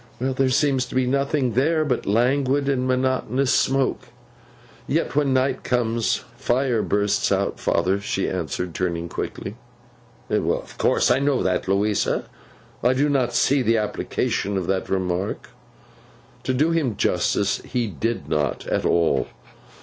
'There seems to be nothing there but languid and monotonous smoke. Yet when the night comes, Fire bursts out, father!' she answered, turning quickly. 'Of course I know that, Louisa. I do not see the application of the remark.' To do him justice he did not, at all.